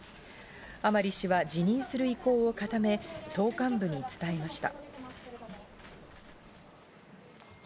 甘利氏は辞任する意向を固め、党幹部に伝えました。